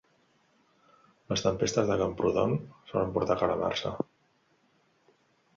Les tempestes de Camprodon solen portar calamarsa.